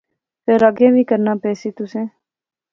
فیر اگے وی کرنا پہسی تسیں